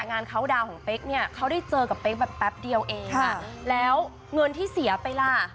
เคาน์ดาวน์ของเป๊กเนี่ยเขาได้เจอกับเป๊กแบบแป๊บเดียวเองแล้วเงินที่เสียไปล่ะ